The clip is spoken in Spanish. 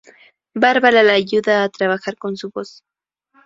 Barbara le ayuda a trabajar su voz.